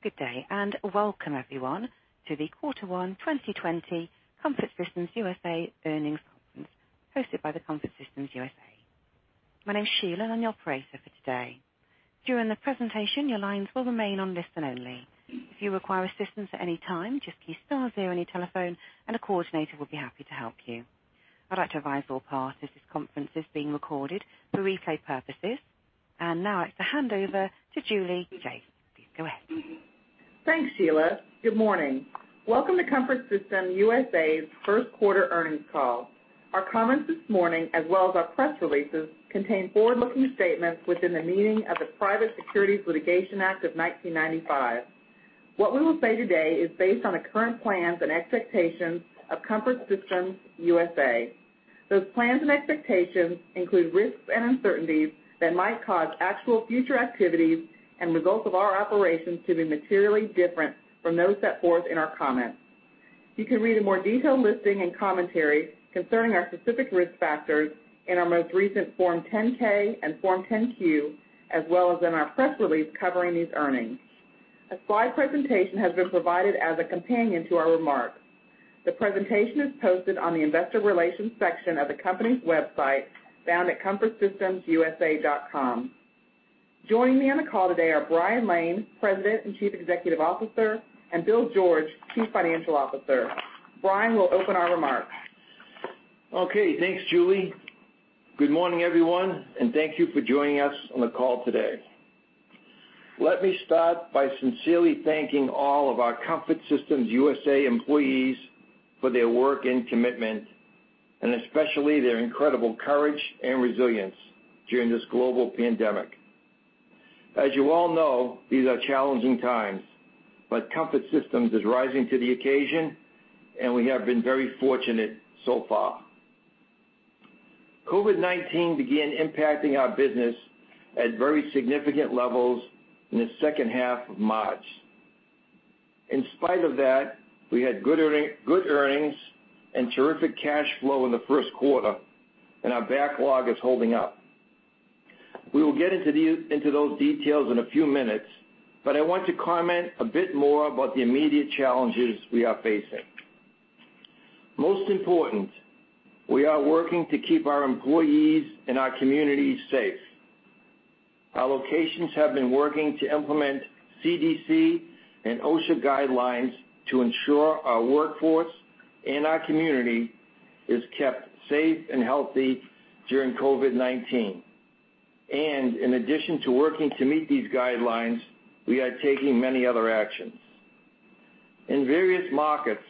Good day, and welcome everyone to the Quarter One 2020 Comfort Systems USA earnings conference hosted by Comfort Systems USA. My name's Sheila, and I'm the operator for today. During the presentation, your lines will remain on listen only. If you require assistance at any time, just please stay on zero on your telephone, and a coordinator will be happy to help you. I'd like to advise all parties this conference is being recorded for replay purposes, and now I'd like to hand over to Julie Shaeff. Please go ahead. Thanks, Sheila. Good morning. Welcome to Comfort Systems USA's first quarter earnings call. Our comments this morning, as well as our press releases, contain forward-looking statements within the meaning of the Private Securities Litigation Act of 1995. What we will say today is based on the current plans and expectations of Comfort Systems USA. Those plans and expectations include risks and uncertainties that might cause actual future activities and results of our operations to be materially different from those set forth in our comments. You can read a more detailed listing and commentary concerning our specific risk factors in our most recent Form 10-K and Form 10-Q, as well as in our press release covering these earnings. A slide presentation has been provided as a companion to our remarks. The presentation is posted on the investor relations section of the company's website found at comfortsystemsusa.com. Joining me on the call today are Brian Lane, President and Chief Executive Officer, and Bill George, Chief Financial Officer. Brian will open our remarks. Okay, thanks Julie. Good morning everyone, and thank you for joining us on the call today. Let me start by sincerely thanking all of our Comfort Systems USA employees for their work and commitment, and especially their incredible courage and resilience during this global pandemic. As you all know, these are challenging times, but Comfort Systems is rising to the occasion, and we have been very fortunate so far. COVID-19 began impacting our business at very significant levels in the second half of March. In spite of that, we had good earnings and terrific cash flow in the first quarter, and our backlog is holding up. We will get into those details in a few minutes, but I want to comment a bit more about the immediate challenges we are facing. Most important, we are working to keep our employees and our community safe. Our locations have been working to implement CDC and OSHA guidelines to ensure our workforce and our community is kept safe and healthy during COVID-19. In addition to working to meet these guidelines, we are taking many other actions. In various markets,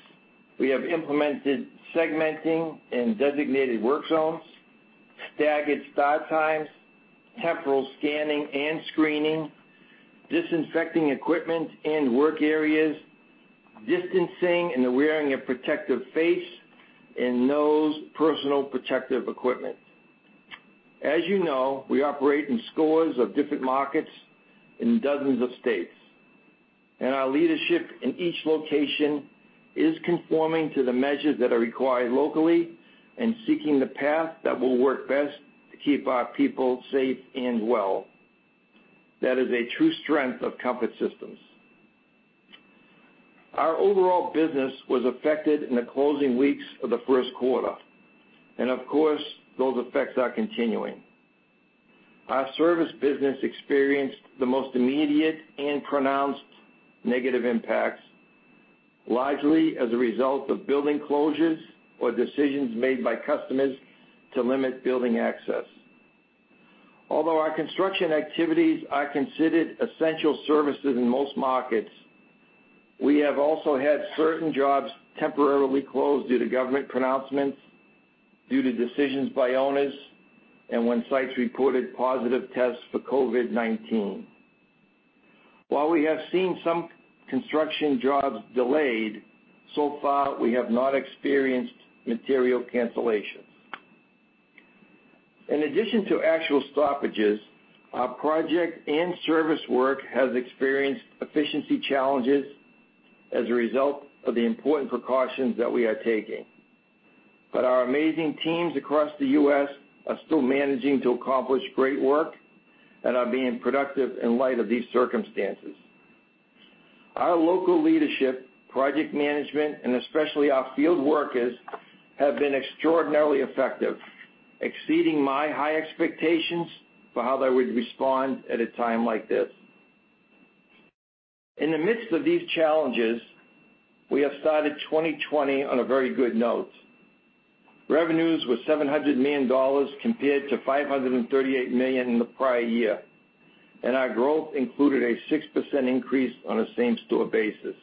we have implemented segmenting and designated work zones, staggered start times, temporal scanning and screening, disinfecting equipment and work areas, distancing and wearing a protective face and nose personal protective equipment. As you know, we operate in scores of different markets in dozens of states, and our leadership in each location is conforming to the measures that are required locally and seeking the path that will work best to keep our people safe and well. That is a true strength of Comfort Systems. Our overall business was affected in the closing weeks of the first quarter, and of course, those effects are continuing. Our service business experienced the most immediate and pronounced negative impacts, largely as a result of building closures or decisions made by customers to limit building access. Although our construction activities are considered essential services in most markets, we have also had certain jobs temporarily closed due to government pronouncements, due to decisions by owners, and when sites reported positive tests for COVID-19. While we have seen some construction jobs delayed, so far we have not experienced material cancellations. In addition to actual stoppages, our project and service work has experienced efficiency challenges as a result of the important precautions that we are taking. Our amazing teams across the U.S. are still managing to accomplish great work and are being productive in light of these circumstances. Our local leadership, project management, and especially our field workers have been extraordinarily effective, exceeding my high expectations for how they would respond at a time like this. In the midst of these challenges, we have started 2020 on a very good note. Revenues were $700 million compared to $538 million in the prior year, and our growth included a 6% increase on a same-store basis.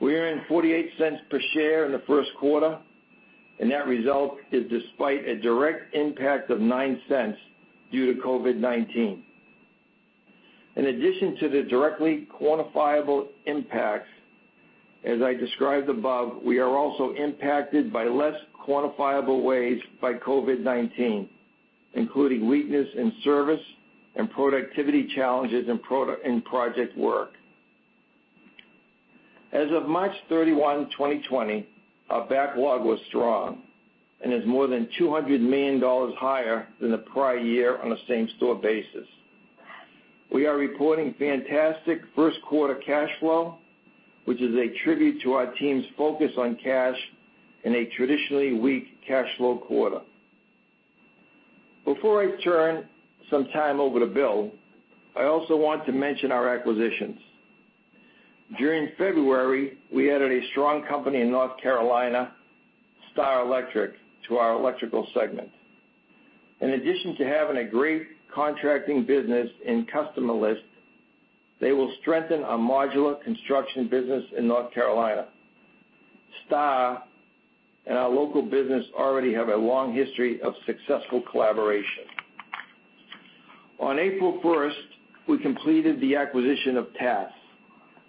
We earned $0.48 per share in the first quarter, and that result is despite a direct impact of $0.09 due to COVID-19. In addition to the directly quantifiable impacts, as I described above, we are also impacted by less quantifiable ways by COVID-19, including weakness in service and productivity challenges in project work. As of March 31, 2020, our backlog was strong and is more than $200 million higher than the prior year on a same-store basis. We are reporting fantastic first quarter cash flow, which is a tribute to our team's focus on cash in a traditionally weak cash flow quarter. Before I turn some time over to Bill, I also want to mention our acquisitions. During February, we added a strong company in North Carolina, Starr Electric, to our Electrical segment. In addition to having a great contracting business and customer list, they will strengthen our modular construction business in North Carolina. Starr and our local business already have a long history of successful collaboration. On April 1st, we completed the acquisition of TAS,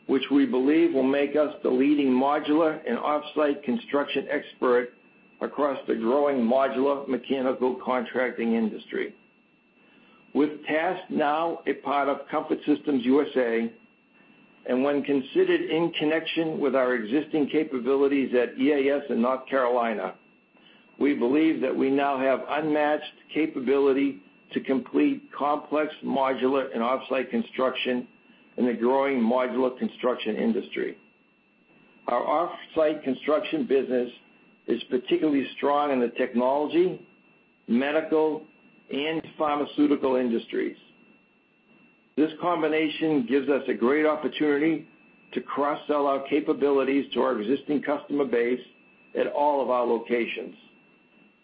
which we believe will make us the leading modular and offsite construction expert across the growing modular mechanical contracting industry. With TAS now a part of Comfort Systems USA, and when considered in connection with our existing capabilities at EAS in North Carolina, we believe that we now have unmatched capability to complete complex modular and offsite construction in the growing modular construction industry. Our offsite construction business is particularly strong in the technology, medical, and pharmaceutical industries. This combination gives us a great opportunity to cross-sell our capabilities to our existing customer base at all of our locations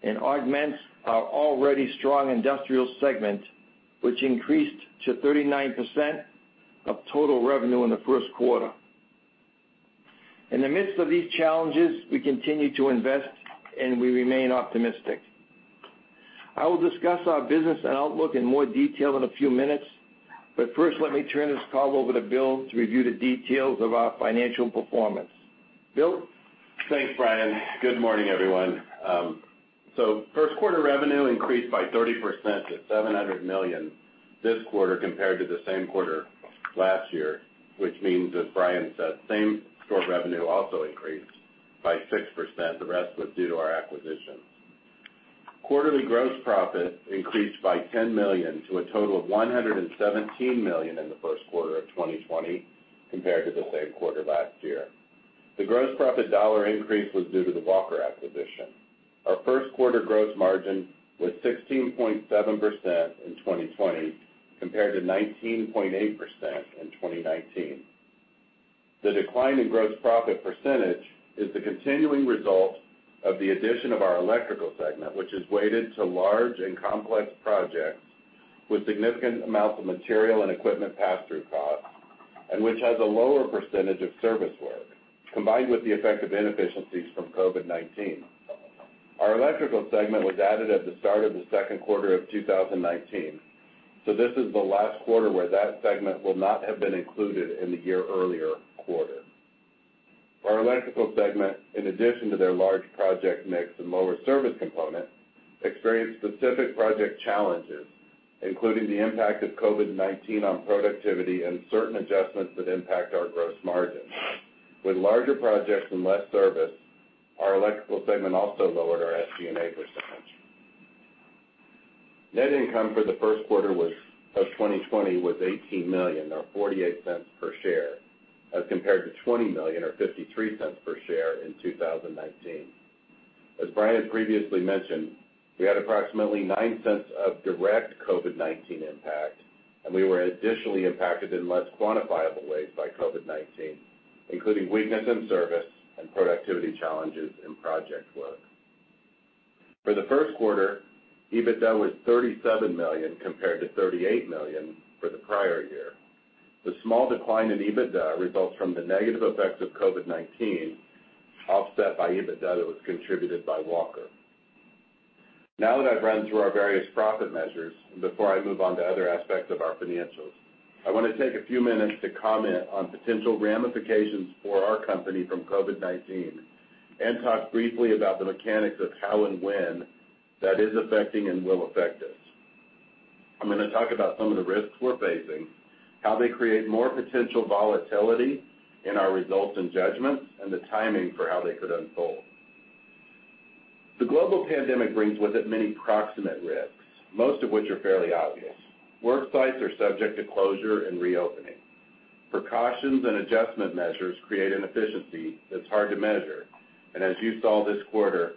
and augments our already strong Industrial segment, which increased to 39% of total revenue in the first quarter. In the midst of these challenges, we continue to invest, and we remain optimistic. I will discuss our business and outlook in more detail in a few minutes, but first, let me turn this call over to Bill to review the details of our financial performance. Bill? Thanks, Brian. Good morning, everyone. First quarter revenue increased by 30% to $700 million this quarter compared to the same quarter last year, which means, as Brian said, same-store revenue also increased by 6%. The rest was due to our acquisitions. Quarterly gross profit increased by $10 million to a total of $117 million in the first quarter of 2020 compared to the same quarter last year. The gross profit dollar increase was due to the Walker acquisition. Our first quarter gross margin was 16.7% in 2020 compared to 19.8% in 2019. The decline in gross profit percentage is the continuing result of the addition of our Electrical segment, which is weighted to large and complex projects with significant amounts of material and equipment pass-through costs, and which has a lower percentage of service work, combined with the effect of inefficiencies from COVID-19. Our electrical segment was added at the start of the second quarter of 2019, so this is the last quarter where that segment will not have been included in the year earlier quarter. Our Electrical segment, in addition to their large project mix and lower service component, experienced specific project challenges, including the impact of COVID-19 on productivity and certain adjustments that impact our gross margin. With larger projects and less service, our Electrical segment also lowered our SG&A percentage. Net income for the first quarter of 2020 was $18 million, or $0.48 per share, as compared to $20 million, or $0.53 per share, in 2019. As Brian previously mentioned, we had approximately $0.09 of direct COVID-19 impact, and we were additionally impacted in less quantifiable ways by COVID-19, including weakness in service and productivity challenges in project work. For the first quarter, EBITDA was $37 million compared to $38 million for the prior year. The small decline in EBITDA results from the negative effects of COVID-19, offset by EBITDA that was contributed by Walker. Now that I've run through our various profit measures, before I move on to other aspects of our financials, I want to take a few minutes to comment on potential ramifications for our company from COVID-19 and talk briefly about the mechanics of how and when that is affecting and will affect us. I'm going to talk about some of the risks we're facing, how they create more potential volatility in our results and judgments, and the timing for how they could unfold. The global pandemic brings with it many proximate risks, most of which are fairly obvious. Work sites are subject to closure and reopening. Precautions and adjustment measures create inefficiency that's hard to measure, and as you saw this quarter,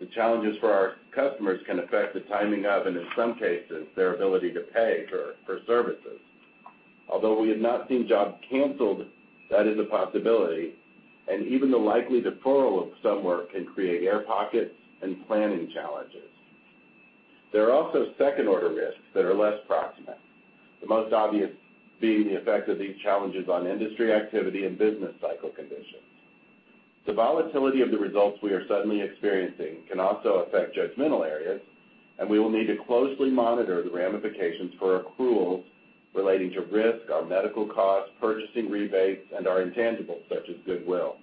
the challenges for our customers can affect the timing of, and in some cases, their ability to pay for services. Although we have not seen jobs canceled, that is a possibility, and even the likely deferral of some work can create air pockets and planning challenges. There are also second-order risks that are less proximate, the most obvious being the effect of these challenges on industry activity and business cycle conditions. The volatility of the results we are suddenly experiencing can also affect judgmental areas, and we will need to closely monitor the ramifications for accruals relating to risk, our medical costs, purchasing rebates, and our intangibles such as goodwill.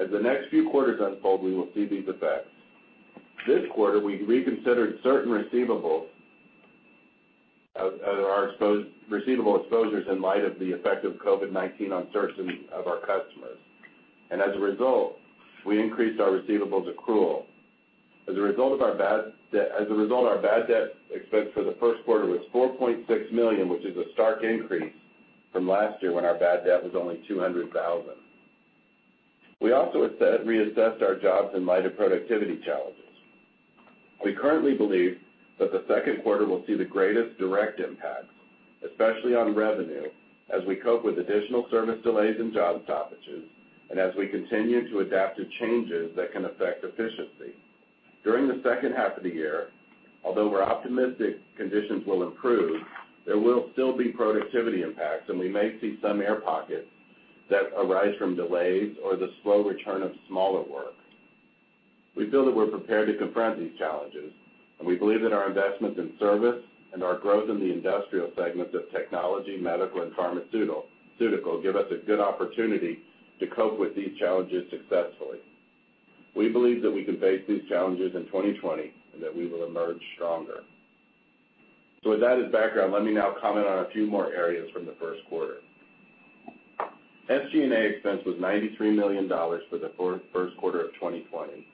As the next few quarters unfold, we will see these effects. This quarter, we reconsidered certain receivable exposures in light of the effect of COVID-19 on certain of our customers, and as a result, we increased our receivables accrual. As a result of our bad debt, our bad debt expense for the first quarter was $4.6 million, which is a stark increase from last year when our bad debt was only $200,000. We also reassessed our jobs in light of productivity challenges. We currently believe that the second quarter will see the greatest direct impacts, especially on revenue, as we cope with additional service delays and job stoppages, and as we continue to adapt to changes that can affect efficiency. During the second half of the year, although we're optimistic conditions will improve, there will still be productivity impacts, and we may see some air pockets that arise from delays or the slow return of smaller work. We feel that we're prepared to confront these challenges, and we believe that our investments in service and our growth in the industrial segments of technology, medical, and pharmaceutical give us a good opportunity to cope with these challenges successfully. We believe that we can face these challenges in 2020 and that we will emerge stronger. With that as background, let me now comment on a few more areas from the first quarter. SG&A expense was $93 million for the first quarter of 2020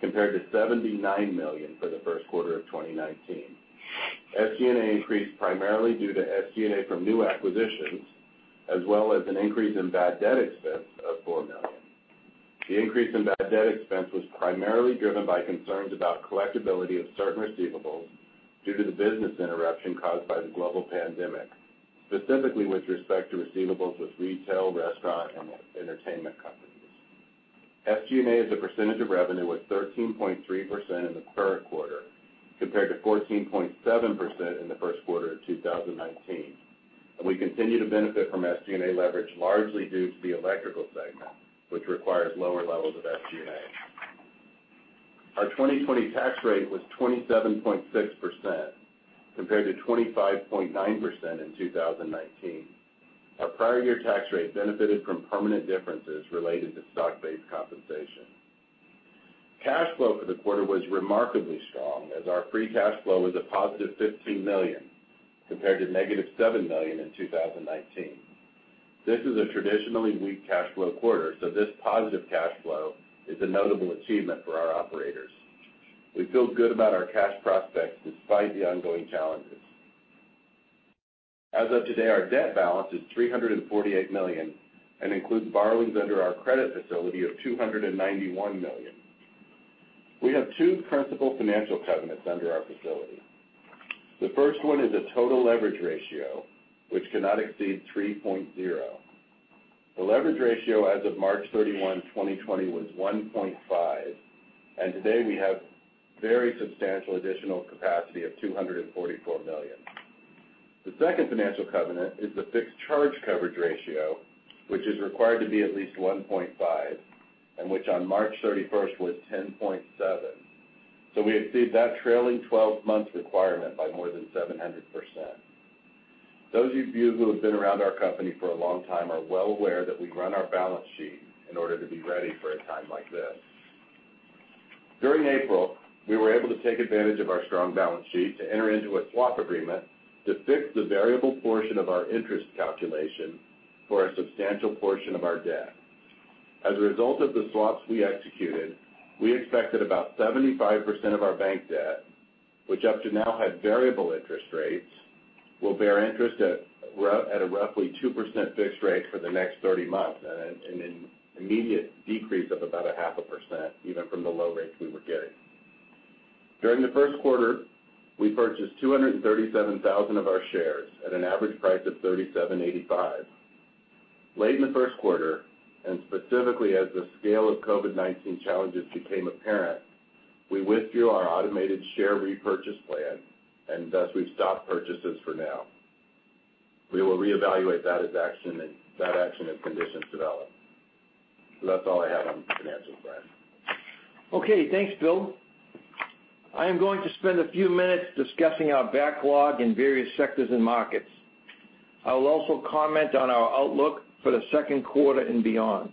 compared to $79 million for the first quarter of 2019. SG&A increased primarily due to SG&A from new acquisitions, as well as an increase in bad debt expense of $4 million. The increase in bad debt expense was primarily driven by concerns about collectibility of certain receivables due to the business interruption caused by the global pandemic, specifically with respect to receivables with retail, restaurant, and entertainment companies. SG&A's percentage of revenue was 13.3% in the current quarter compared to 14.7% in the first quarter of 2019, and we continue to benefit from SG&A leverage largely due to the Electrical segment, which requires lower levels of SG&A. Our 2020 tax rate was 27.6% compared to 25.9% in 2019. Our prior year tax rate benefited from permanent differences related to stock-based compensation. Cash flow for the quarter was remarkably strong, as our free cash flow was +$15 million compared to -$7 million in 2019. This is a traditionally weak cash flow quarter, so this positive cash flow is a notable achievement for our operators. We feel good about our cash prospects despite the ongoing challenges. As of today, our debt balance is $348 million and includes borrowings under our credit facility of $291 million. We have two principal financial covenants under our facility. The first one is a total leverage ratio, which cannot exceed 3.0. The leverage ratio as of March 31, 2020, was 1.5, and today we have very substantial additional capacity of $244 million. The second financial covenant is the fixed charge coverage ratio, which is required to be at least 1.5, and which on March 31st was 10.7. We exceed that trailing 12-month requirement by more than 700%. Those of you who have been around our company for a long time are well aware that we run our balance sheet in order to be ready for a time like this. During April, we were able to take advantage of our strong balance sheet to enter into a swap agreement to fix the variable portion of our interest calculation for a substantial portion of our debt. As a result of the swaps we executed, we expected about 75% of our bank debt, which up to now had variable interest rates, will bear interest at a roughly 2% fixed rate for the next 30 months and an immediate decrease of about a 0.5%, even from the low rates we were getting. During the first quarter, we purchased 237,000 of our shares at an average price of $37.85. Late in the first quarter, and specifically as the scale of COVID-19 challenges became apparent, we withdrew our automated share repurchase plan, and thus we've stopped purchases for now. We will reevaluate that action as conditions develop. That's all I have on financials, Brian. Okay, thanks, Bill. I am going to spend a few minutes discussing our backlog in various sectors and markets. I will also comment on our outlook for the second quarter and beyond.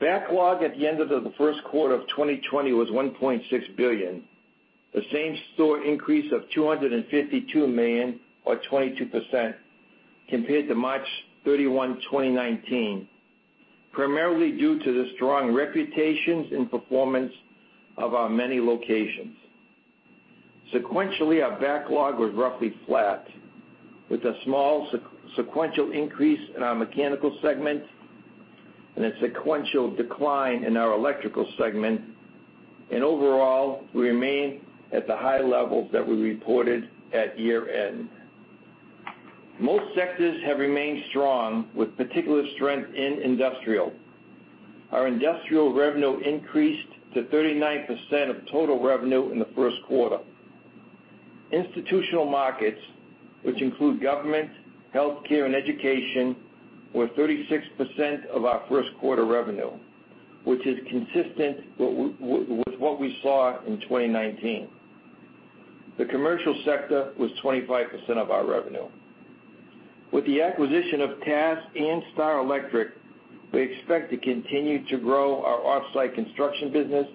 Backlog at the end of the first quarter of 2020 was $1.6 billion, the same store increase of $252 million, or 22%, compared to March 31, 2019, primarily due to the strong reputations and performance of our many locations. Sequentially, our backlog was roughly flat, with a small sequential increase in our Mechanical segment and a sequential decline in our Electrical segment, and overall, we remain at the high levels that we reported at year-end. Most sectors have remained strong, with particular strength in industrial. Our industrial revenue increased to 39% of total revenue in the first quarter. Institutional markets, which include government, healthcare, and education, were 36% of our first quarter revenue, which is consistent with what we saw in 2019. The commercial sector was 25% of our revenue. With the acquisition of TAS and Starr Electric, we expect to continue to grow our offsite construction business,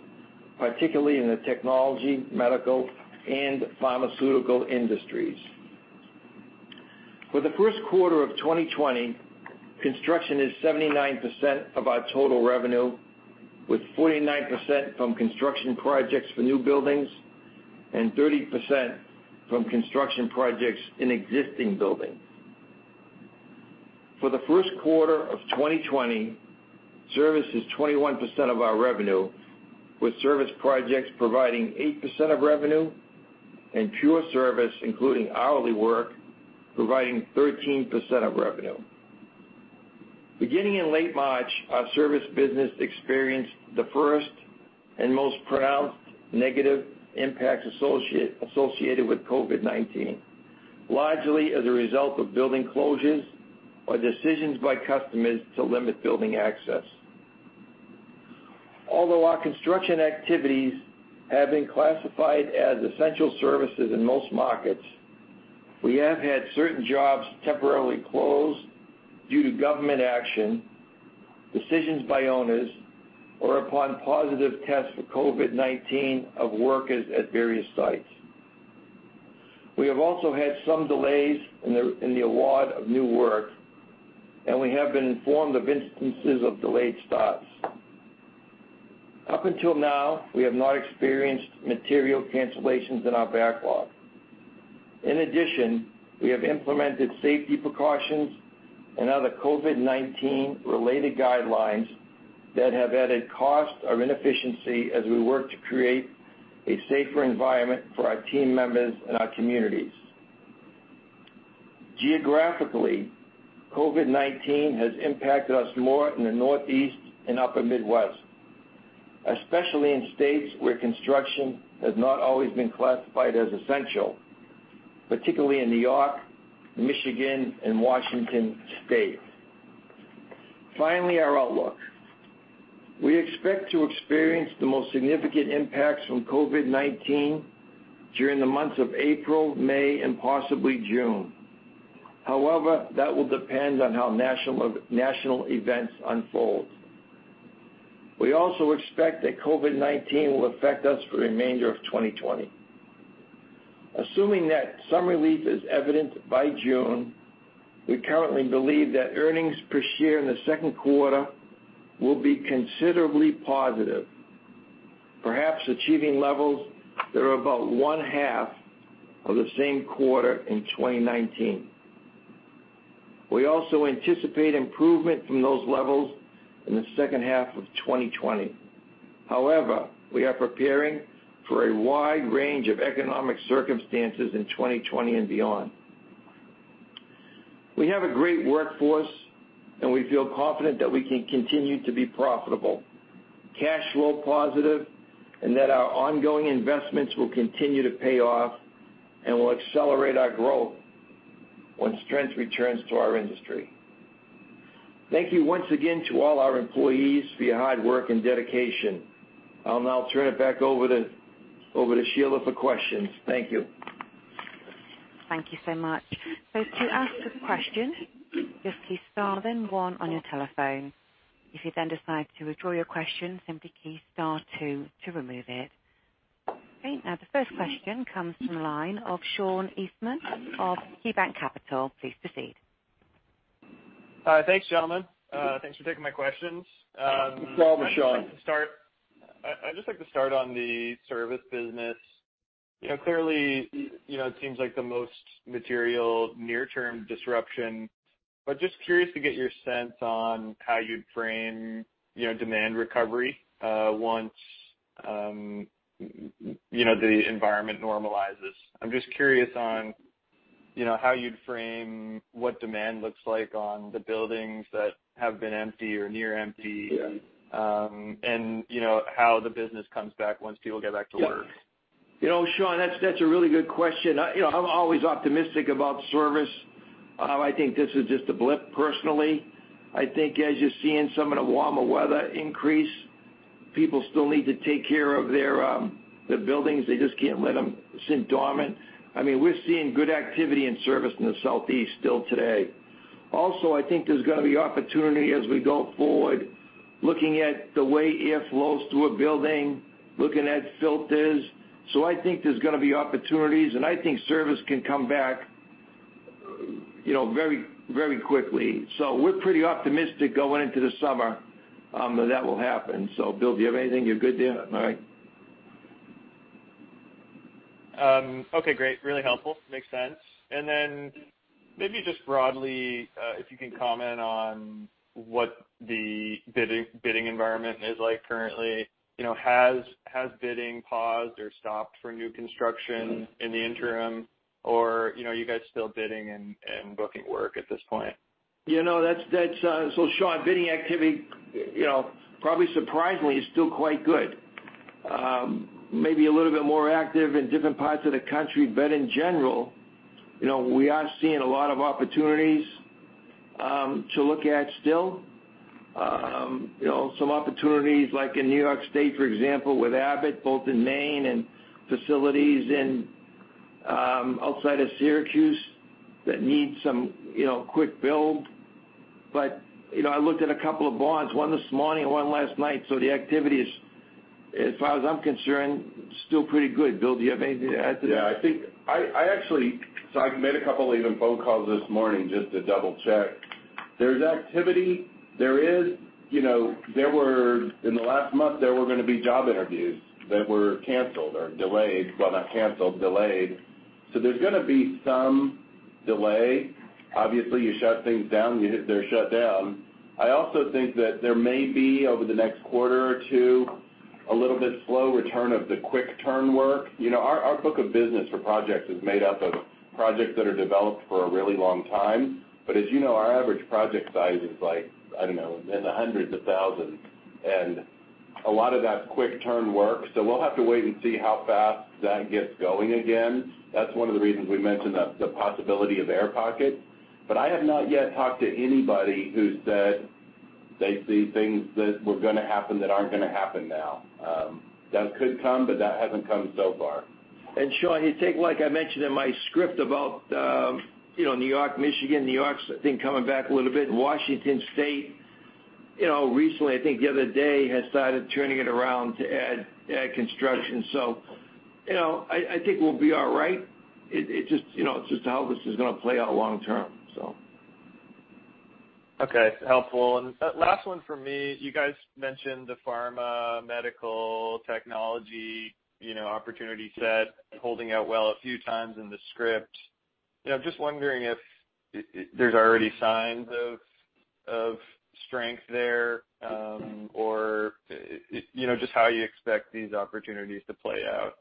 particularly in the technology, medical, and pharmaceutical industries. For the first quarter of 2020, construction is 79% of our total revenue, with 49% from construction projects for new buildings and 30% from construction projects in existing buildings. For the first quarter of 2020, service is 21% of our revenue, with service projects providing 8% of revenue, and pure service, including hourly work, providing 13% of revenue. Beginning in late March, our service business experienced the first and most pronounced negative impacts associated with COVID-19, largely as a result of building closures or decisions by customers to limit building access. Although our construction activities have been classified as essential services in most markets, we have had certain jobs temporarily closed due to government action, decisions by owners, or upon positive tests for COVID-19 of workers at various sites. We have also had some delays in the award of new work, and we have been informed of instances of delayed stops. Up until now, we have not experienced material cancellations in our backlog. In addition, we have implemented safety precautions and other COVID-19-related guidelines that have added cost or inefficiency as we work to create a safer environment for our team members and our communities. Geographically, COVID-19 has impacted us more in the Northeast and Upper Midwest, especially in states where construction has not always been classified as essential, particularly in New York, Michigan, and Washington State. Finally, our outlook. We expect to experience the most significant impacts from COVID-19 during the months of April, May, and possibly June. However, that will depend on how national events unfold. We also expect that COVID-19 will affect us for the remainder of 2020. Assuming that some relief is evident by June, we currently believe that earnings per share in the second quarter will be considerably positive, perhaps achieving levels that are about one-half of the same quarter in 2019. We also anticipate improvement from those levels in the second half of 2020. However, we are preparing for a wide range of economic circumstances in 2020 and beyond. We have a great workforce, and we feel confident that we can continue to be profitable, cash flow positive, and that our ongoing investments will continue to pay off and will accelerate our growth when strength returns to our industry. Thank you once again to all our employees for your hard work and dedication. I'll now turn it back over to Sheila for questions. Thank you. Thank you so much. To ask a question, just keep star then one on your telephone. If you then decide to withdraw your question, simply keep star two to remove it. Okay, the first question comes from the line of Sean Eastman of KeyBanc Capital. Please proceed. Hi, thanks, gentlemen. Thanks for taking my questions. Thank you for calling, Sean. I'd just like to start on the service business. Clearly, it seems like the most material near-term disruption. Just curious to get your sense on how you'd frame demand recovery once the environment normalizes. I'm just curious on how you'd frame what demand looks like on the buildings that have been empty or near empty and how the business comes back once people get back to work. Sean, that's a really good question. I'm always optimistic about service. I think this is just a blip personally. I think as you're seeing some of the warmer weather increase, people still need to take care of their buildings. They just can't let them sit dormant. I mean, we're seeing good activity and service in the Southeast still today. Also, I think there's going to be opportunity as we go forward, looking at the way air flows through a building, looking at filters. I think there's going to be opportunities, and I think service can come back very, very quickly. We're pretty optimistic going into the summer that that will happen. Bill, do you have anything? You're good there? All right. Okay, great. Really helpful. Makes sense. Maybe just broadly, if you can comment on what the bidding environment is like currently. Has bidding paused or stopped for new construction in the interim, or are you guys still bidding and booking work at this point? Sean, bidding activity, probably surprisingly, is still quite good. Maybe a little bit more active in different parts of the country, but in general, we are seeing a lot of opportunities to look at still. Some opportunities, like in New York State, for example, with Abbott, both in Maine and facilities outside of Syracuse that need some quick build. I looked at a couple of bonds, one this morning, one last night. The activity is, as far as I'm concerned, still pretty good. Bill, do you have anything to add to that? Yeah, I think I actually made a couple of even phone calls this morning just to double-check. There's activity. There were in the last month, there were going to be job interviews that were canceled or delayed, well, not canceled, delayed. There's going to be some delay. Obviously, you shut things down, they're shut down. I also think that there may be, over the next quarter or two, a little bit slow return of the quick-turn work. Our book of business for projects is made up of projects that are developed for a really long time. But as you know, our average project size is like, I don't know, in the hundreds of thousands. And a lot of that's quick-turn work. We'll have to wait and see how fast that gets going again. That's one of the reasons we mentioned the possibility of air pockets. I have not yet talked to anybody who said they see things that were going to happen that are not going to happen now. That could come, but that has not come so far. Sean, you take, like I mentioned in my script about New York, Michigan, New York's been coming back a little bit. Washington State, recently, I think the other day, has started turning it around to add construction. I think we'll be all right. It's just how this is going to play out long-term. Okay, helpful. Last one for me, you guys mentioned the pharma, medical, technology opportunity set holding out well a few times in the script. Just wondering if there's already signs of strength there or just how you expect these opportunities to play out.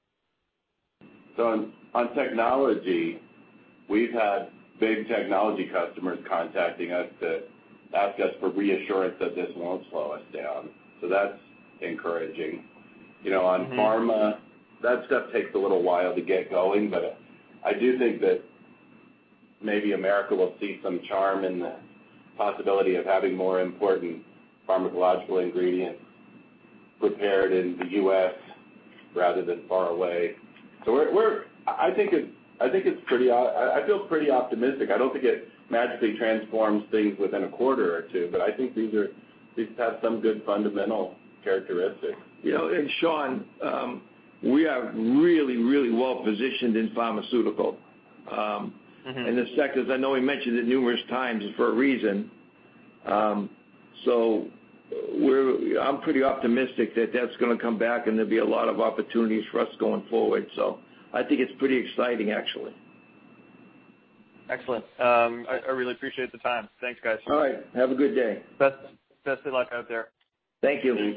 On technology, we've had big technology customers contacting us to ask us for reassurance that this won't slow us down. That's encouraging. On pharma, that stuff takes a little while to get going, but I do think that maybe America will see some charm in the possibility of having more important pharmacological ingredients prepared in the U.S. rather than far away. I think it's pretty—I feel pretty optimistic. I don't think it magically transforms things within a quarter or two, but I think these have some good fundamental characteristics. Sean, we are really, really well positioned in pharmaceutical. The sectors, I know we mentioned it numerous times for a reason. I'm pretty optimistic that that's going to come back, and there'll be a lot of opportunities for us going forward. I think it's pretty exciting, actually. Excellent. I really appreciate the time. Thanks, guys. All right. Have a good day. Best of luck out there. Thank you.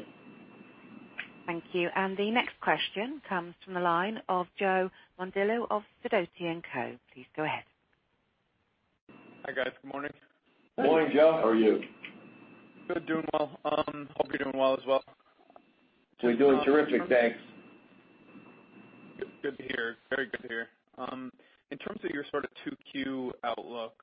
Thank you. The next question comes from the line of Joe Mondillo of Sidoti & Co. Please go ahead. Hi, guys. Good morning. Morning, Joe. How are you? Good. Doing well. Hope you're doing well as well. We're doing terrific. Thanks. Good to hear. Very good to hear. In terms of your sort of 2Q outlook,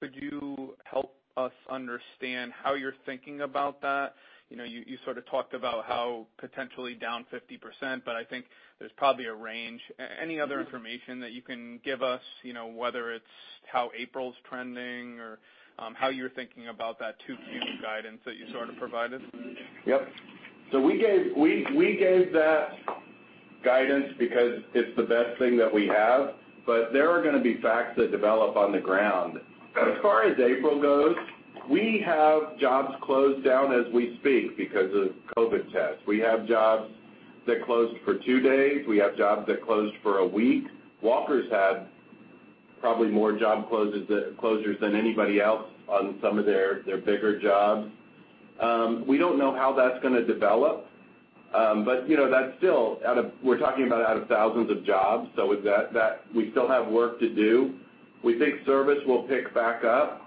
could you help us understand how you're thinking about that? You sort of talked about how potentially down 50%, but I think there's probably a range. Any other information that you can give us, whether it's how April's trending or how you're thinking about that 2Q guidance that you sort of provided? Yep. We gave that guidance because it's the best thing that we have. There are going to be facts that develop on the ground. As far as April goes, we have jobs closed down as we speak because of COVID tests. We have jobs that closed for two days. We have jobs that closed for a week. Walker's had probably more job closures than anybody else on some of their bigger jobs. We don't know how that's going to develop. That is still—we're talking about out of thousands of jobs. We still have work to do. We think service will pick back up.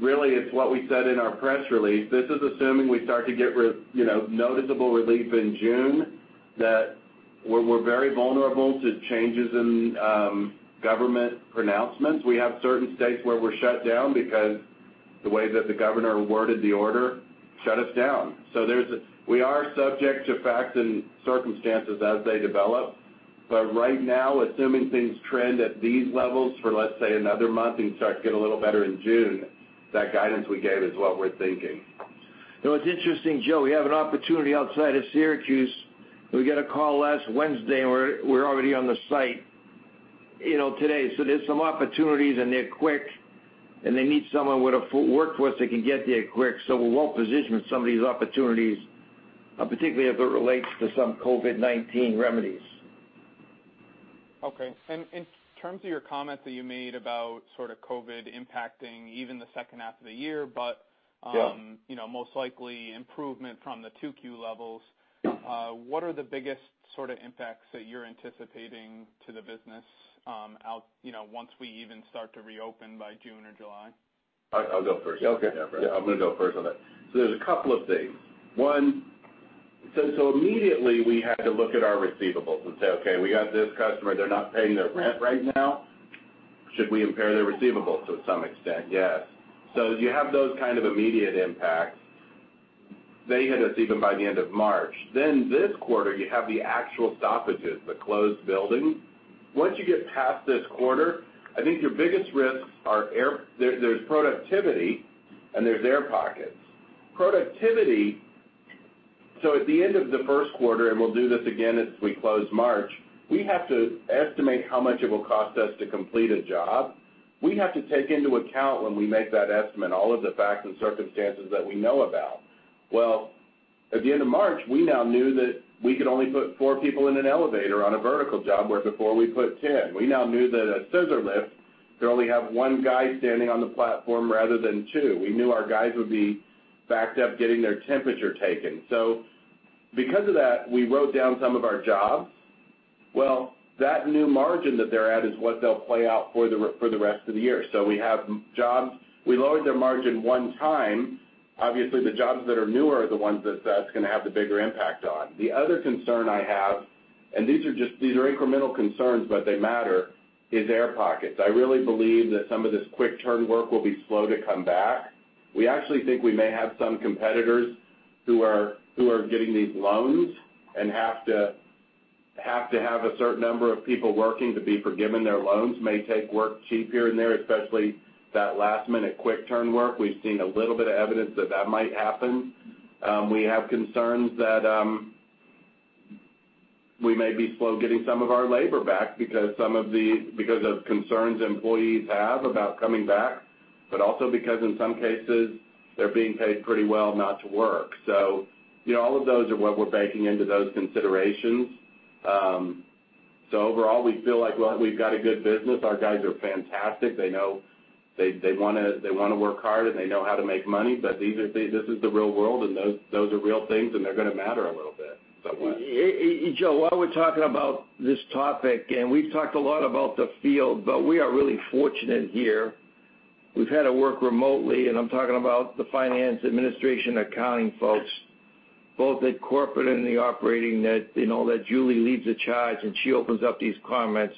Really, it's what we said in our press release. This is assuming we start to get noticeable relief in June, that we're very vulnerable to changes in government pronouncements. We have certain states where we're shut down because the way that the governor worded the order shut us down. We are subject to facts and circumstances as they develop. Right now, assuming things trend at these levels for, let's say, another month and start to get a little better in June, that guidance we gave is what we're thinking. It's interesting, Joe. We have an opportunity outside of Syracuse. We got a call last Wednesday, and we're already on the site today. There are some opportunities, and they're quick. They need someone with a workforce that can get there quick. We're well positioned with some of these opportunities, particularly if it relates to some COVID-19 remedies. Okay. In terms of your comments that you made about sort of COVID impacting even the second half of the year, but most likely improvement from the 2Q levels, what are the biggest sort of impacts that you're anticipating to the business once we even start to reopen by June or July? I'll go first. Yeah, okay. Yeah, I'm going to go first on that. There's a couple of things. One, immediately, we had to look at our receivables and say, "Okay, we got this customer. They're not paying their rent right now. Should we impair their receivables to some extent?" Yes. You have those kind of immediate impacts. They hit us even by the end of March. This quarter, you have the actual stoppages, the closed building. Once you get past this quarter, I think your biggest risks are there's productivity, and there's air pockets. Productivity, at the end of the first quarter, and we'll do this again as we close March, we have to estimate how much it will cost us to complete a job. We have to take into account, when we make that estimate, all of the facts and circumstances that we know about. At the end of March, we now knew that we could only put four people in an elevator on a vertical job where before we put 10. We now knew that at a scissor lift, you'd only have one guy standing on the platform rather than two. We knew our guys would be backed up getting their temperature taken. Because of that, we wrote down some of our jobs. That new margin that they're at is what they'll play out for the rest of the year. We have jobs. We lowered their margin one time. Obviously, the jobs that are newer are the ones that that's going to have the bigger impact on. The other concern I have, and these are incremental concerns, but they matter, is air pockets. I really believe that some of this quick-turn work will be slow to come back. We actually think we may have some competitors who are getting these loans and have to have a certain number of people working to be forgiven. Their loans may take work cheap here and there, especially that last-minute quick-turn work. We've seen a little bit of evidence that that might happen. We have concerns that we may be slow getting some of our labor back because of concerns employees have about coming back, but also because in some cases, they're being paid pretty well not to work. All of those are what we're baking into those considerations. Overall, we feel like we've got a good business. Our guys are fantastic. They want to work hard, and they know how to make money. This is the real world, and those are real things, and they're going to matter a little bit somewhat. Joe, while we're talking about this topic, and we've talked a lot about the field, but we are really fortunate here. We've had to work remotely, and I'm talking about the finance administration accounting folks, both at corporate and the operating that Julie leads the charge, and she opens up these comments.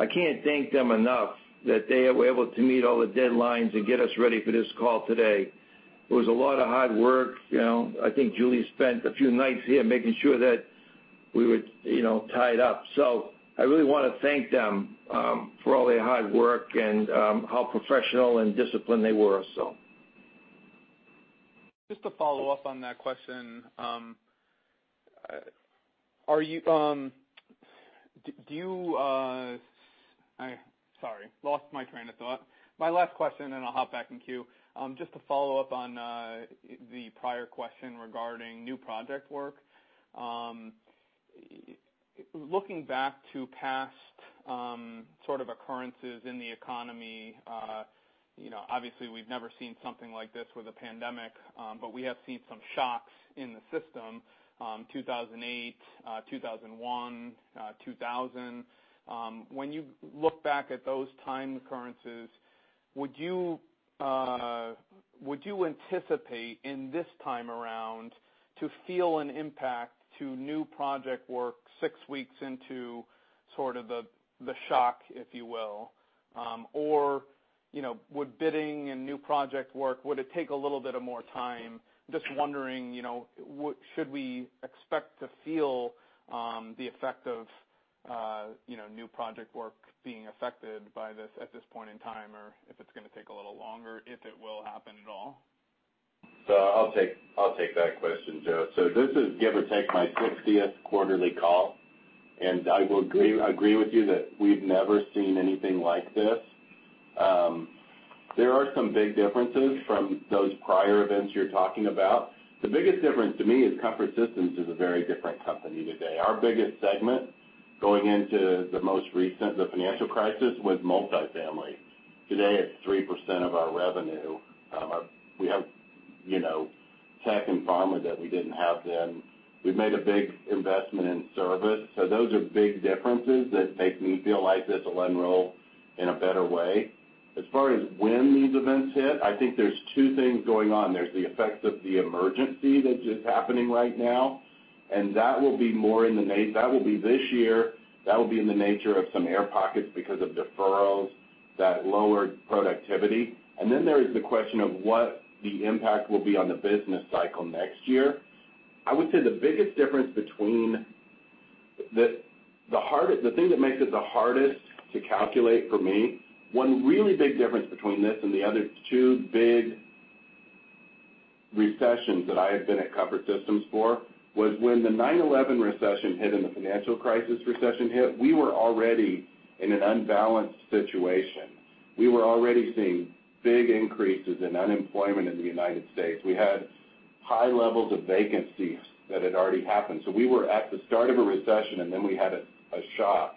I can't thank them enough that they were able to meet all the deadlines and get us ready for this call today. It was a lot of hard work. I think Julie spent a few nights here making sure that we were tied up. I really want to thank them for all their hard work and how professional and disciplined they were. Just to follow up on that question, do you—sorry, lost my train of thought. My last question, and I'll hop back in queue. Just to follow up on the prior question regarding new project work, looking back to past sort of occurrences in the economy, obviously, we've never seen something like this with a pandemic, but we have seen some shocks in the system: 2008, 2001, 2000. When you look back at those time occurrences, would you anticipate in this time around to feel an impact to new project work six weeks into sort of the shock, if you will? Or would bidding and new project work, would it take a little bit more time? Just wondering, should we expect to feel the effect of new project work being affected by this at this point in time, or if it's going to take a little longer, if it will happen at all? I'll take that question, Joe. This is, give or take, my 60th quarterly call. I will agree with you that we've never seen anything like this. There are some big differences from those prior events you're talking about. The biggest difference to me is Comfort Systems USA is a very different company today. Our biggest segment going into the most recent, the financial crisis, was multifamily. Today, it's 3% of our revenue. We have tech and pharma that we didn't have then. We've made a big investment in service. Those are big differences that make me feel like this will unroll in a better way. As far as when these events hit, I think there's two things going on. There's the effects of the emergency that's just happening right now. That will be more in the—that will be this year. That will be in the nature of some air pockets because of deferrals, that lowered productivity. There is the question of what the impact will be on the business cycle next year. I would say the biggest difference between the thing that makes it the hardest to calculate for me, one really big difference between this and the other two big recessions that I have been at Comfort Systems for, was when the 9/11 recession hit and the financial crisis recession hit, we were already in an unbalanced situation. We were already seeing big increases in unemployment in the U.S. We had high levels of vacancy that had already happened. We were at the start of a recession, and then we had a shock.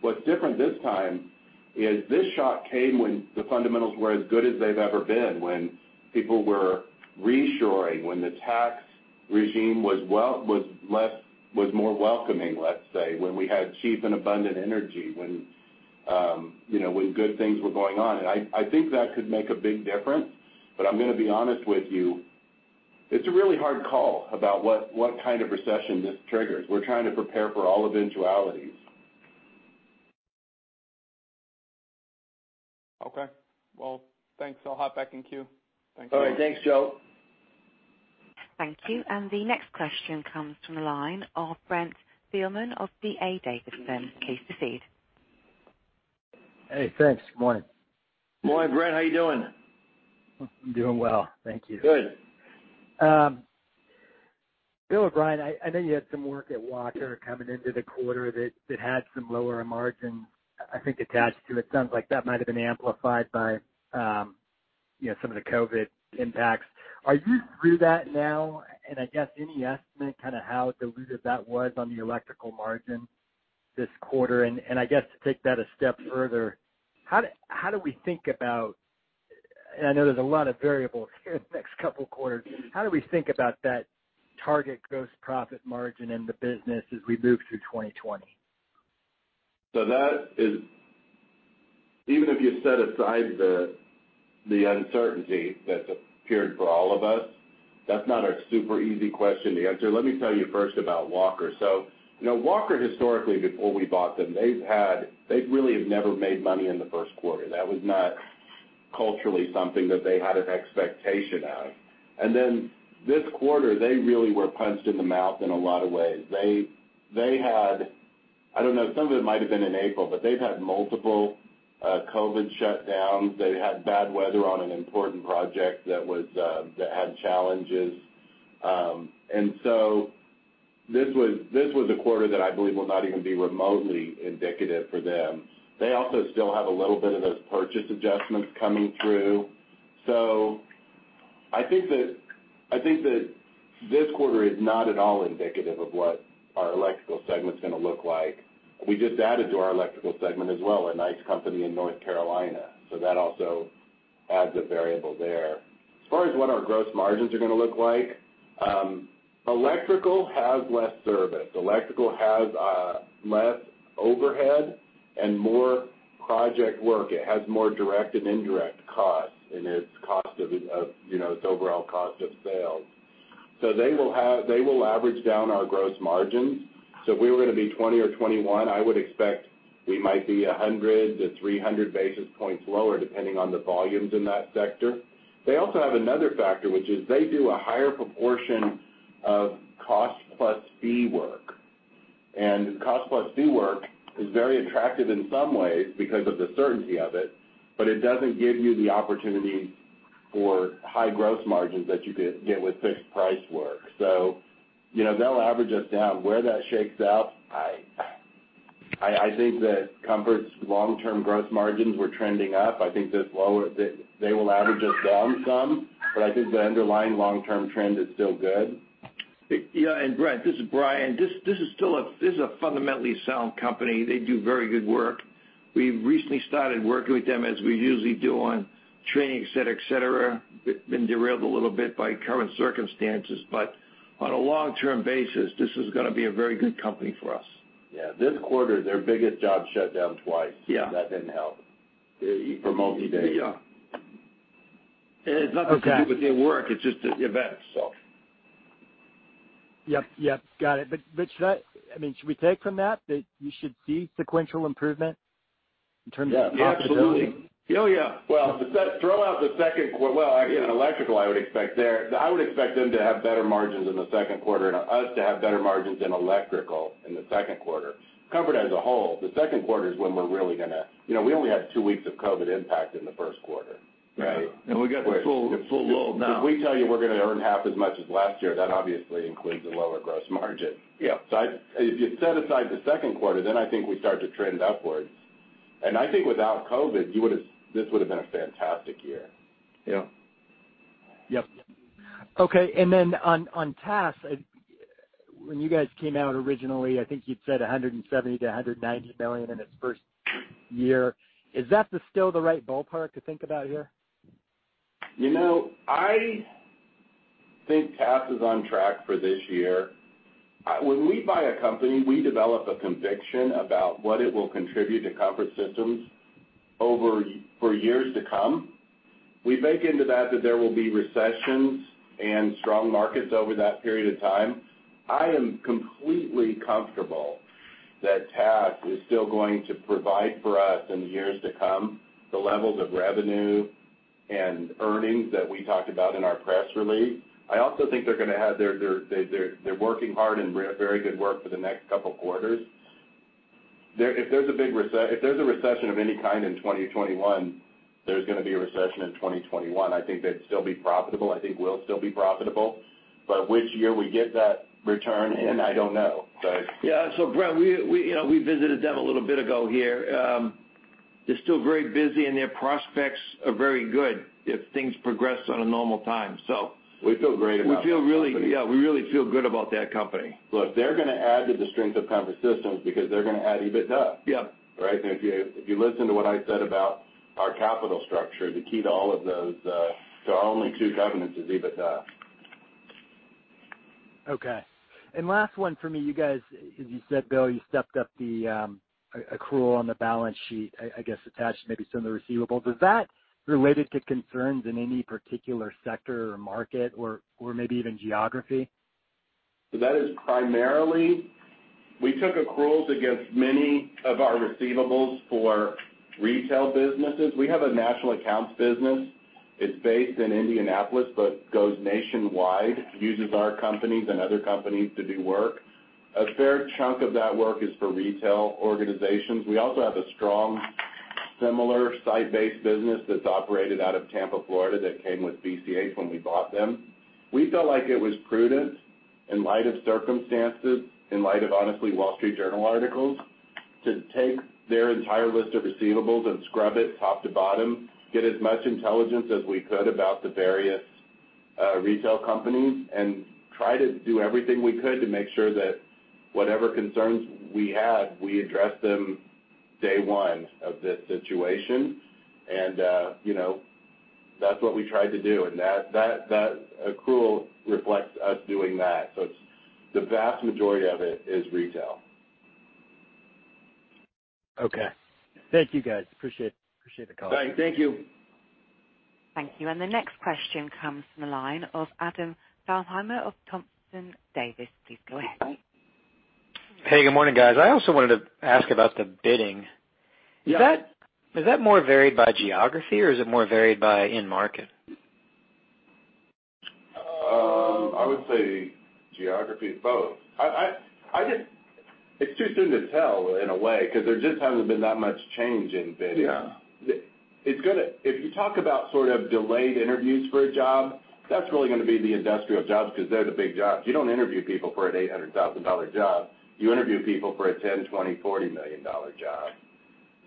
What's different this time is this shock came when the fundamentals were as good as they've ever been, when people were reassuring, when the tax regime was more welcoming, let's say, when we had cheap and abundant energy, when good things were going on. I think that could make a big difference. I'm going to be honest with you, it's a really hard call about what kind of recession this triggers. We're trying to prepare for all eventualities. Okay. Thanks. I'll hop back in queue. Thanks for your help. All right. Thanks, Joe. Thank you. The next question comes from the line of Brent Thielman of D. A. Davidson. Please proceed. Hey, thanks. Good morning. Morning, Brent. How you doing? I'm doing well. Thank you. Good. Good, Brian. I know you had some work at Walker coming into the quarter that had some lower margins, I think, attached to it. It sounds like that might have been amplified by some of the COVID impacts. Are you through that now? I guess any estimate kind of how diluted that was on the electrical margin this quarter? I guess to take that a step further, how do we think about—and I know there's a lot of variables here in the next couple of quarters—how do we think about that target gross profit margin in the business as we move through 2020? Even if you set aside the uncertainty that's appeared for all of us, that's not a super easy question to answer. Let me tell you first about Walker. Walker, historically, before we bought them, they really have never made money in the first quarter. That was not culturally something that they had an expectation of. This quarter, they really were punched in the mouth in a lot of ways. They had—I don't know. Some of it might have been in April, but they've had multiple COVID-19 shutdowns. They had bad weather on an important project that had challenges. This was a quarter that I believe will not even be remotely indicative for them. They also still have a little bit of those purchase adjustments coming through. I think that this quarter is not at all indicative of what our Electrical segment's going to look like. We just added to our electrical segment as well a nice company in North Carolina. That also adds a variable there. As far as what our gross margins are going to look like, Electrical has less service. Electrical has less overhead and more project work. It has more direct and indirect costs in its cost of its overall cost of sales. They will average down our gross margins. If we were going to be 20% or 21%, I would expect we might be 100 to 300 basis points lower, depending on the volumes in that sector. They also have another factor, which is they do a higher proportion of cost plus fee work. Cost plus fee work is very attractive in some ways because of the certainty of it, but it doesn't give you the opportunities for high gross margins that you could get with fixed price work. They'll average us down. Where that shakes out, I think that Comfort's long-term gross margins were trending up. I think they will average us down some, but I think the underlying long-term trend is still good. Yeah. Brent, this is Brian. This is a fundamentally sound company. They do very good work. We've recently started working with them, as we usually do, on training, etc., etc. Been derailed a little bit by current circumstances. On a long-term basis, this is going to be a very good company for us. Yeah. This quarter, their biggest job shut down twice. That did not help for multi-day. Yeah. It's not that they're good with their work. It's just the events, so. Yep. Yep. Got it. I mean, should we take from that that you should see sequential improvement in terms of the actual? Yeah. Absolutely. Yeah, yeah. Throw out the second quarter. Electrical, I would expect them to have better margins in the second quarter and us to have better margins in Electrical in the second quarter. Comfort as a whole, the second quarter is when we're really going to—we only had two weeks of COVID impact in the first quarter, right? Yeah. We got the full load now. If we tell you we're going to earn half as much as last year, that obviously includes a lower gross margin. If you set aside the second quarter, I think we start to trend upwards. I think without COVID, this would have been a fantastic year. Yeah. Yep. Okay. And then on TAS, when you guys came out originally, I think you'd said $170 million-$190 million in its first year. Is that still the right ballpark to think about here? I think TAS is on track for this year. When we buy a company, we develop a conviction about what it will contribute to Comfort Systems USA for years to come. We bake into that that there will be recessions and strong markets over that period of time. I am completely comfortable that TAS is still going to provide for us in the years to come the levels of revenue and earnings that we talked about in our press release. I also think they're going to have—they're working hard and very good work for the next couple of quarters. If there's a big—if there's a recession of any kind in 2021, there's going to be a recession in 2021. I think they'd still be profitable. I think we'll still be profitable. Which year we get that return in, I don't know, but. Yeah. Brent, we visited them a little bit ago here. They're still very busy, and their prospects are very good if things progress on a normal time. We feel great about that. We feel really—yeah. We really feel good about that company. Look, they're going to add to the strength of Comfort Systems because they're going to add EBITDA, right? If you listen to what I said about our capital structure, the key to all of those—so our only two covenants is EBITDA. Okay. Last one for me, you guys, as you said, Bill, you stepped up the accrual on the balance sheet, I guess, attached to maybe some of the receivables. Is that related to concerns in any particular sector or market or maybe even geography? That is primarily—we took accruals against many of our receivables for retail businesses. We have a national accounts business. It's based in Indianapolis but goes nationwide, uses our companies and other companies to do work. A fair chunk of that work is for retail organizations. We also have a strong, similar site-based business that's operated out of Tampa, Florida, that came with BCH when we bought them. We felt like it was prudent, in light of circumstances, in light of, honestly, Wall Street Journal articles, to take their entire list of receivables and scrub it top to bottom, get as much intelligence as we could about the various retail companies, and try to do everything we could to make sure that whatever concerns we had, we addressed them day one of this situation. That accrual reflects us doing that. The vast majority of it is retail. Okay. Thank you, guys. Appreciate the call. Thank you. Thank you. The next question comes from the line of Adam Thalhimer of Thompson Davis. Please go ahead. Hey, good morning, guys. I also wanted to ask about the bidding. Is that more varied by geography, or is it more varied by in-market? I would say geography, both. It's too soon to tell in a way because there just hasn't been that much change in bidding. If you talk about sort of delayed interviews for a job, that's really going to be the industrial jobs because they're the big jobs. You don't interview people for an $800,000 job. You interview people for a $10 million, $20 million, $40 million job.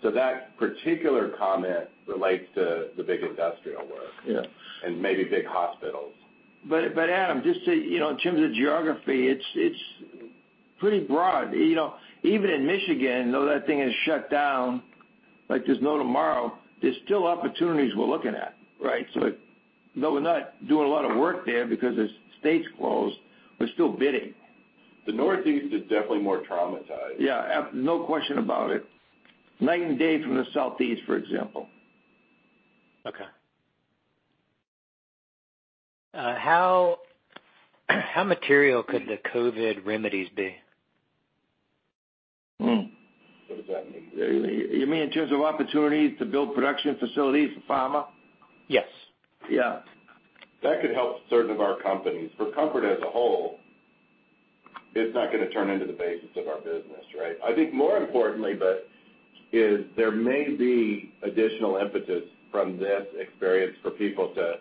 So that particular comment relates to the big industrial work and maybe big hospitals. Adam, just in terms of geography, it's pretty broad. Even in Michigan, though that thing has shut down, like there's no tomorrow, there's still opportunities we're looking at, right? Though we're not doing a lot of work there because the state's closed, we're still bidding. The Northeast is definitely more traumatized. Yeah. No question about it. Night and day from the Southeast, for example. Okay. How material could the COVID remedies be? What does that mean? You mean in terms of opportunities to build production facilities for pharma? Yes. Yeah. That could help certain of our companies. For Comfort as a whole, it's not going to turn into the basis of our business, right? I think more importantly, there may be additional impetus from this experience for people to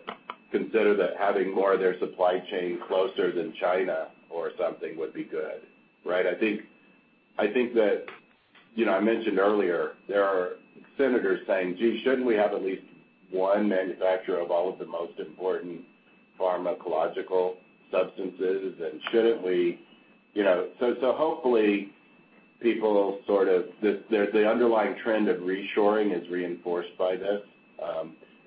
consider that having more of their supply chain closer than China or something would be good, right? I think that I mentioned earlier, there are senators saying, "Gee, shouldn't we have at least one manufacturer of all of the most important pharmacological substances? And shouldn't we?" Hopefully, people sort of—the underlying trend of reshoring is reinforced by this.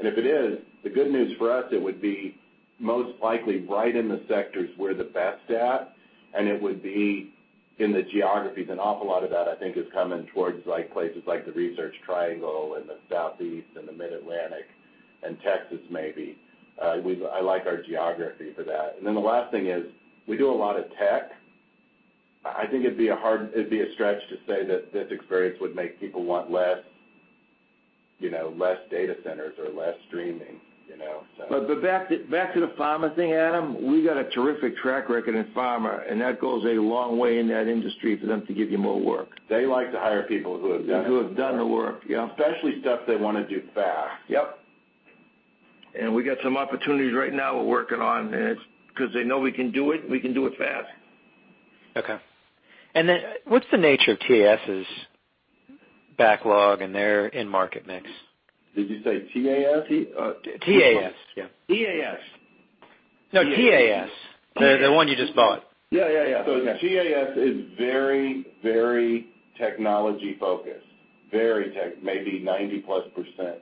If it is, the good news for us, it would be most likely right in the sectors we're the best at. It would be in the geographies. An awful lot of that, I think, is coming towards places like the Research Triangle and the Southeast and the Mid-Atlantic and Texas, maybe. I like our geography for that. The last thing is we do a lot of tech. I think it'd be a stretch to say that this experience would make people want less data centers or less streaming, so. Back to the pharma thing, Adam, we've got a terrific track record in pharma, and that goes a long way in that industry for them to give you more work. They like to hire people who have done it. Who have done the work, yeah. Especially stuff they want to do fast. Yep. We got some opportunities right now we're working on because they know we can do it, and we can do it fast. Okay. What is the nature of TAS's backlog and their in-market mix? Did you say TAS? TAS. TAS. TAS. No, TAS. The one you just bought. Yeah, yeah. TAS is very, very technology-focused, maybe 90%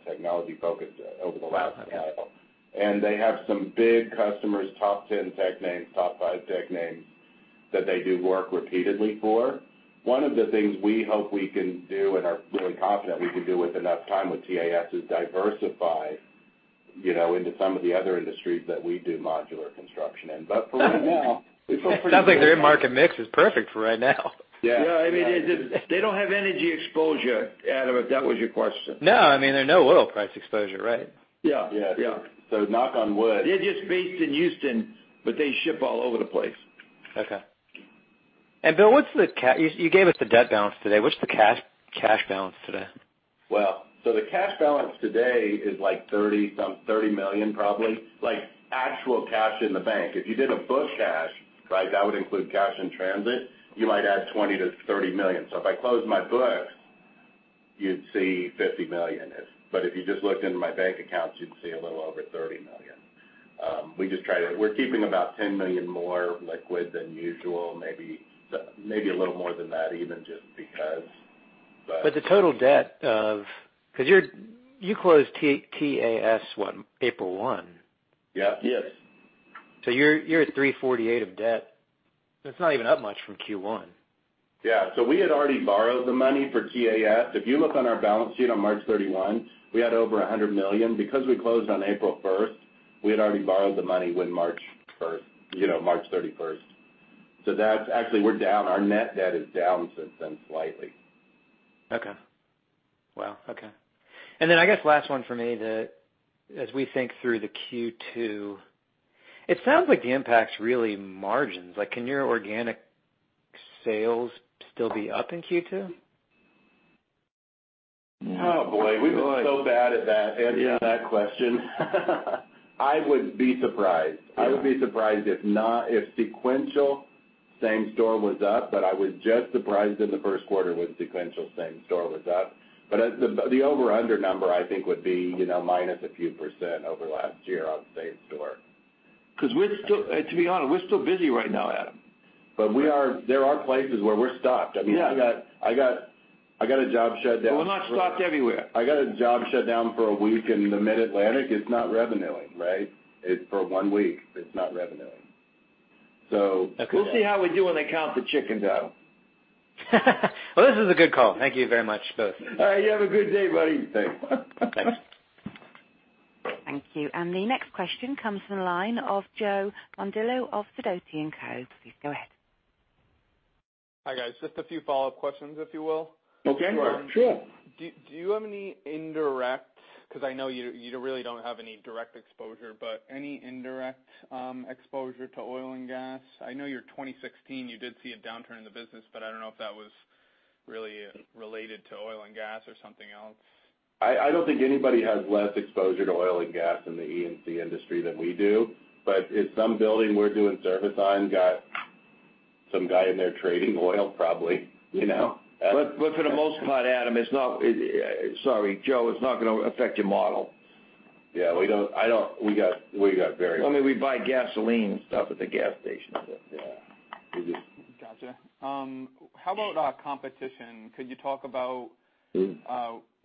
technology-focused over the last cycle. They have some big customers, top 10 tech names, top five tech names that they do work repeatedly for. One of the things we hope we can do and are really confident we can do with enough time with TAS is diversify into some of the other industries that we do modular construction in. For right now, we feel pretty confident. Sounds like their in-market mix is perfect for right now. Yeah. Yeah. I mean, they don't have energy exposure, Adam, if that was your question. No. I mean, there is no oil price exposure, right? Yeah. Yeah. Knock on wood. They're just based in Houston, but they ship all over the place. Okay. Bill, what's the—you gave us the debt balance today. What's the cash balance today? The cash balance today is like $30 million, probably. Actual cash in the bank. If you did a book cash, right, that would include cash in transit, you might add $20 million-$30 million. If I close my books, you'd see $50 million. If you just looked into my bank accounts, you'd see a little over $30 million. We just try to—we're keeping about $10 million more liquid than usual, maybe a little more than that, even just because. The total debt of—because you closed TAS April 1. Yep. Yes. You're at $348 million of debt. That's not even up much from Q1. Yeah. We had already borrowed the money for TAS. If you look on our balance sheet on March 31, we had over $100 million. Because we closed on April 1, we had already borrowed the money March 31. Actually, we're down. Our net debt is down since then slightly. Okay. Wow. Okay. And then I guess last one for me, as we think through the Q2, it sounds like the impact's really margins. Can your organic sales still be up in Q2? Oh, boy. We were so bad at that question. I would be surprised. I would be surprised if sequential, same store was up. I was just surprised in the first quarter when sequential, same store was up. The over/under number, I think, would be minus a few % over last year on the same store. Because to be honest, we're still busy right now, Adam. There are places where we're stuck. I mean, I got a job shut down for. We're not stuck everywhere. I got a job shut down for a week in the Mid-Atlantic. It's not revenuing, right? For one week, it's not revenuing. We'll see how we do when they count the chicken dough. This is a good call. Thank you very much, both. All right. You have a good day, buddy. Thanks. Thank you. The next question comes from the line of Joe Mondillo of Sidoti & Co. Please go ahead. Hi, guys. Just a few follow-up questions, if you will. Okay. Sure. Do you have any indirect—because I know you really don't have any direct exposure, but any indirect exposure to oil and gas? I know your 2016, you did see a downturn in the business, but I don't know if that was really related to oil and gas or something else. I don't think anybody has less exposure to oil and gas in the E&C industry than we do. If some building we're doing service on got some guy in there trading oil, probably. For the most part, Adam, it's not—sorry, Joe, it's not going to affect your model. Yeah. We got very— I mean, we buy gasoline and stuff at the gas stations. Yeah, we just. Gotcha. How about competition? Could you talk about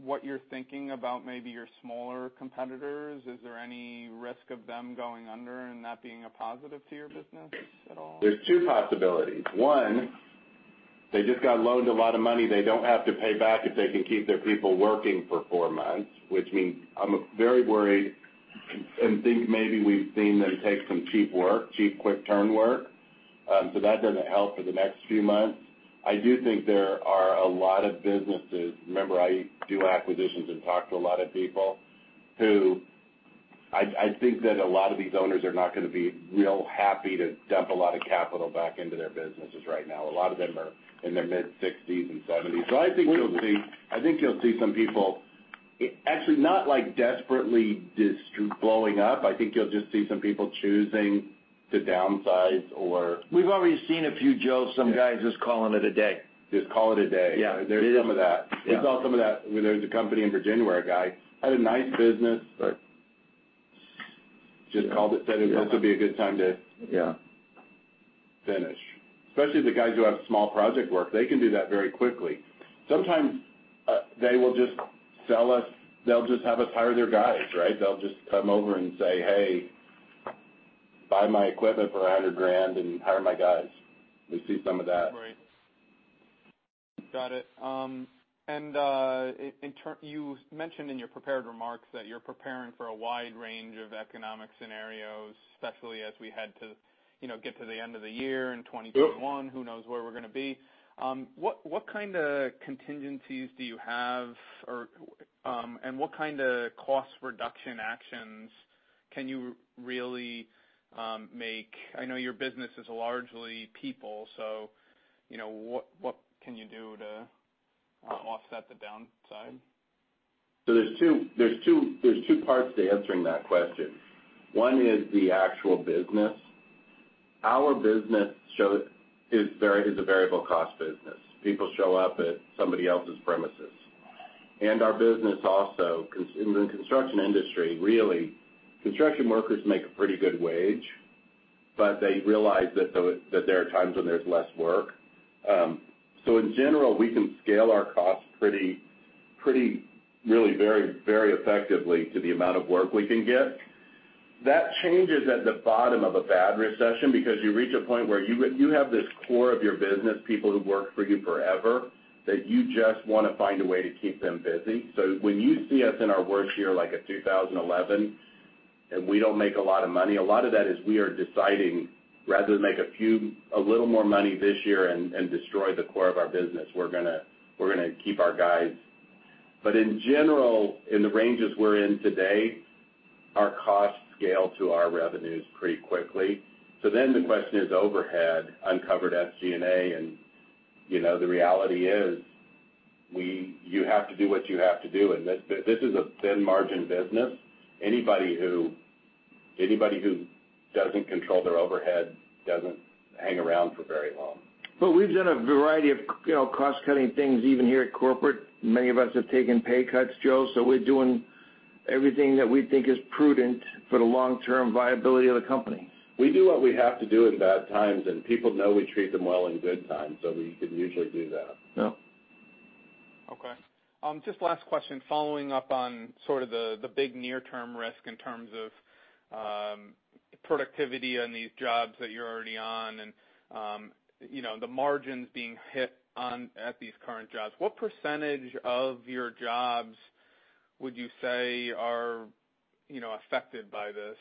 what you're thinking about maybe your smaller competitors? Is there any risk of them going under and that being a positive to your business at all? are two possibilities. One, they just got loaned a lot of money. They do not have to pay back if they can keep their people working for four months, which means I am very worried and think maybe we have seen them take some cheap work, cheap quick-turn work. That does not help for the next few months. I do think there are a lot of businesses—remember, I do acquisitions and talk to a lot of people—who I think that a lot of these owners are not going to be real happy to dump a lot of capital back into their businesses right now. A lot of them are in their mid-60s and 70s. I think you will see some people actually not desperately blowing up. I think you will just see some people choosing to downsize or. We've already seen a few Joes, some guys just calling it a day. Just call it a day. There's some of that. We saw some of that. There's a company in Virginia where a guy had a nice business, just called it, said, "This would be a good time to finish." Especially the guys who have small project work. They can do that very quickly. Sometimes they will just sell us; they'll just have us hire their guys, right? They'll just come over and say, "Hey, buy my equipment for $100,000 and hire my guys." We see some of that. Right. Got it. You mentioned in your prepared remarks that you're preparing for a wide range of economic scenarios, especially as we head to get to the end of the year in 2021. Who knows where we're going to be? What kind of contingencies do you have, and what kind of cost reduction actions can you really make? I know your business is largely people, so what can you do to offset the downside? There are two parts to answering that question. One is the actual business. Our business is a variable cost business. People show up at somebody else's premises. And our business also, in the construction industry, really, construction workers make a pretty good wage, but they realize that there are times when there's less work. In general, we can scale our costs really very effectively to the amount of work we can get. That changes at the bottom of a bad recession because you reach a point where you have this core of your business, people who've worked for you forever, that you just want to find a way to keep them busy. When you see us in our worst year, like 2011, and we do not make a lot of money, a lot of that is we are deciding, rather than make a little more money this year and destroy the core of our business, we are going to keep our guys. In general, in the ranges we are in today, our costs scale to our revenues pretty quickly. The question is overhead, uncovered SG&A, and the reality is you have to do what you have to do. This is a thin-margin business. Anybody who does not control their overhead does not hang around for very long. We have done a variety of cost-cutting things even here at corporate. Many of us have taken pay cuts, Joe. We are doing everything that we think is prudent for the long-term viability of the company. We do what we have to do in bad times, and people know we treat them well in good times, so we can usually do that. Yeah. Okay. Just last question, following up on sort of the big near-term risk in terms of productivity on these jobs that you're already on and the margins being hit at these current jobs. What percentage of your jobs would you say are affected by this?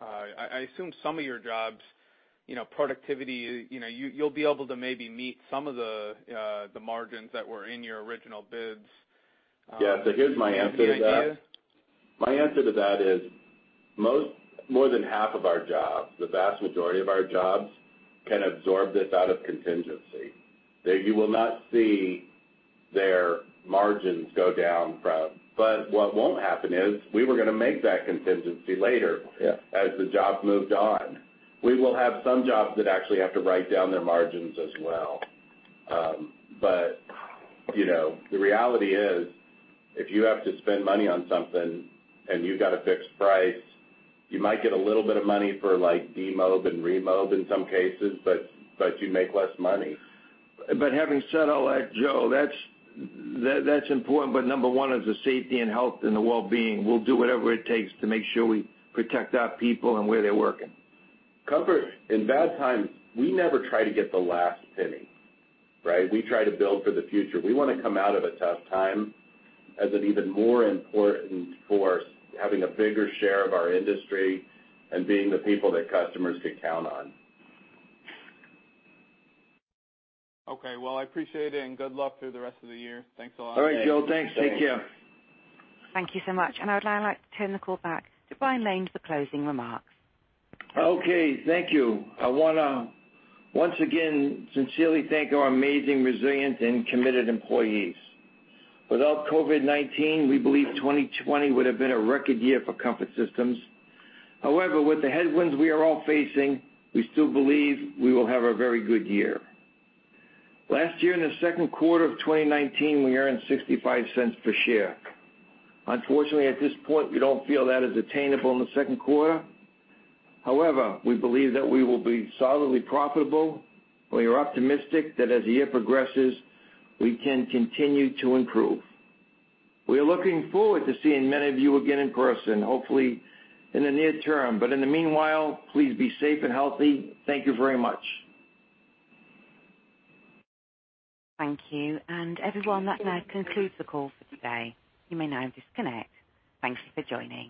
I assume some of your jobs, productivity, you'll be able to maybe meet some of the margins that were in your original bids. Yeah. Here is my answer to that. My answer to that is more than half of our jobs, the vast majority of our jobs, can absorb this out of contingency. You will not see their margins go down from. What will not happen is we were going to make that contingency later as the job moved on. We will have some jobs that actually have to write down their margins as well. The reality is if you have to spend money on something and you have a fixed price, you might get a little bit of money for DMOB and REMOB in some cases, but you make less money. Having said all that, Joe, that's important. Number one is the safety and health and the well-being. We'll do whatever it takes to make sure we protect our people and where they're working. Covered, in bad times, we never try to get the last penny, right? We try to build for the future. We want to come out of a tough time as an even more important force, having a bigger share of our industry and being the people that customers can count on. Okay. I appreciate it, and good luck through the rest of the year. Thanks a lot. All right, Joe. Thanks. Take care. Thank you so much. I would now like to turn the call back to Brian Lane for closing remarks. Okay. Thank you. I want to once again sincerely thank our amazing, resilient, and committed employees. Without COVID-19, we believe 2020 would have been a record year for Comfort Systems USA. However, with the headwinds we are all facing, we still believe we will have a very good year. Last year, in the second quarter of 2019, we earned $0.65 per share. Unfortunately, at this point, we do not feel that is attainable in the second quarter. However, we believe that we will be solidly profitable. We are optimistic that as the year progresses, we can continue to improve. We are looking forward to seeing many of you again in person, hopefully in the near term. In the meanwhile, please be safe and healthy. Thank you very much. Thank you. Everyone, that now concludes the call for today. You may now disconnect. Thank you for joining.